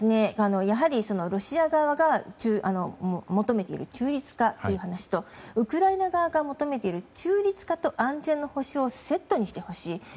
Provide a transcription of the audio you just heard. やはり、ロシア側が求めている中立化という話とウクライナ側が求めている中立化と安全の保障をセットにしてほしい。